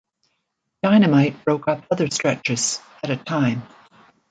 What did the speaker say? Dynamite broke up other stretches, at a time.